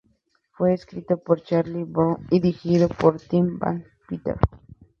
Fue escrito por Charlie Brooker y dirigido por Tim Van Patten.